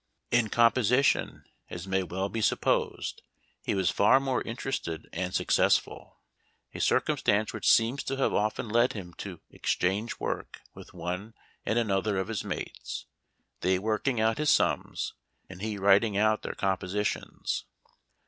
In composition, as may well be supposed, he was far more interested and successful ; a circumstance which seems to have often led him to " exchange work " with one and another of his mates — they working out his sums, and he writing out their compo sitions.